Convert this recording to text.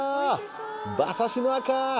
馬刺しの赤！